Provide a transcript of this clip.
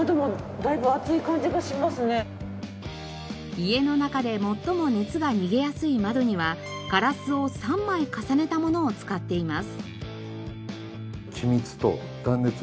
家の中で最も熱が逃げやすい窓にはガラスを３枚重ねたものを使っています。